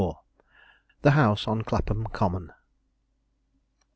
THE HOUSE ON CLAPHAM COMMON.